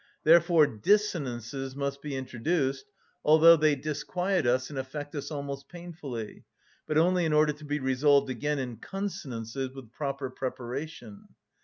Therefore dissonances must be introduced, although they disquiet us and affect us almost painfully, but only in order to be resolved again in consonances with proper preparation.